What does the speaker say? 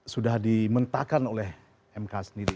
sudah dimentakan oleh mk sendiri